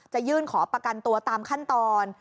ยื่นขอประกันตัวตามขั้นตอน